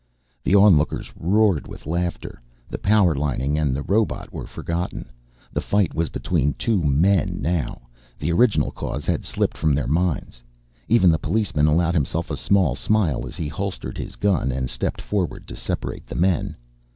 The onlookers roared with laughter, the power lining and the robot were forgotten. The fight was between two men now, the original cause had slipped from their minds. Even the policeman allowed himself a small smile as he holstered his gun and stepped forward to separate the men.